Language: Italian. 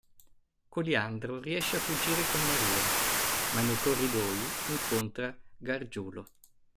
Coliandro riesce a fuggire con Maria, ma nei corridoi incontra Gargiulo.